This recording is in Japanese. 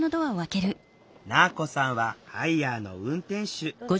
なぁこさんはハイヤーの運転手。